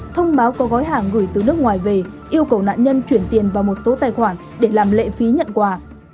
thông báo có gói hàng gửi từ nước ngoài về yêu cầu nạn nhân chuyển tiền vào một số tài khoản để làm lệ phí nhận quà